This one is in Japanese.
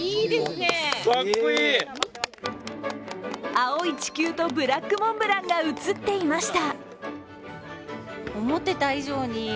青い地球とブラックモンブランが映っていました。